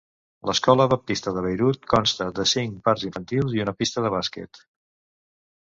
L'escola Baptista de Beirut consta de cinc parcs infantils i una pista de bàsquet.